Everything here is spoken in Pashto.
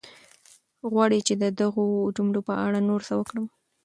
غواړې چې د دغو جملو په اړه نور څه وکړم؟